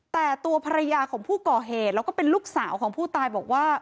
แต่ตัวภรรยาของผู้ก่อเหตุแล้วก็เป็นลูกสาวของผู้ตายบอกว่า